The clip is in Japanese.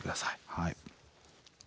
はい。